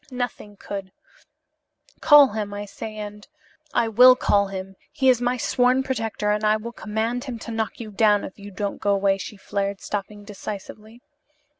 Nothing could Call him, I say, and " "I will call him. He is my sworn protector, and I will command him to knock you down if you don't go away," she flared, stopping decisively.